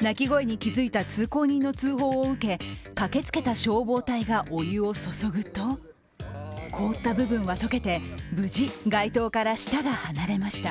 泣き声に気付いた通行人の通報を受け駆けつけた消防隊がお湯を注ぐと凍った部分は溶けて、無事街灯から舌が外れました。